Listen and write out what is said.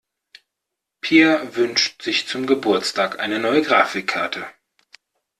Peer wünscht sich zum Geburtstag eine neue Grafikkarte.